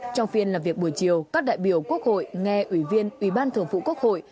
trong phiên làm việc buổi chiều các đại biểu quốc hội nghe ủy viên ủy ban thường vụ quốc hội